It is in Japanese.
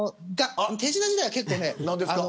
手品自体は結構ね。